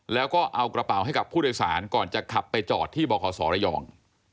แล้วก็เอากระเป๋าให้กับผู้โดยสารก่อนจะขับไปจอดที่บขศระยอง